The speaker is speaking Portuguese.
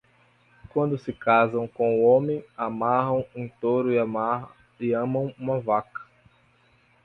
Quando se casam com o homem, amarram um touro e amam uma vaca.